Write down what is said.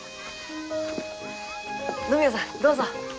野宮さんどうぞ。